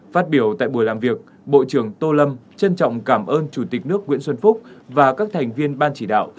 phát biểu tại buổi làm việc bộ trưởng tô lâm trân trọng cảm ơn chủ tịch nước nguyễn xuân phúc và các thành viên ban chỉ đạo